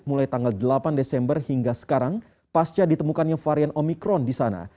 mulai tanggal delapan desember hingga sekarang pasca ditemukannya varian omikron di sana